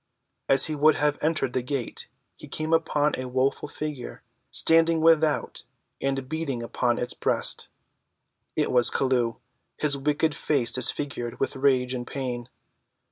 As he would have entered the gate he came upon a woeful figure standing without and beating upon its breast. It was Chelluh, his wicked face disfigured with rage and pain.